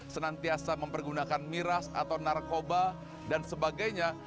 senantiasa mempergunakan miras atau narkoba dan sebagainya